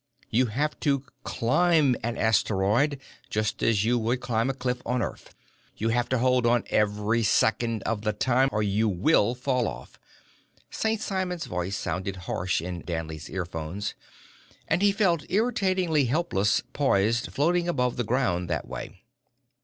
_ You have to climb an asteroid, just as you would climb a cliff on Earth. You have to hold on every second of the time, or you will fall off!" St. Simon's voice sounded harsh in Danley's earphones, and he felt irritatingly helpless poised floatingly above the ground that way.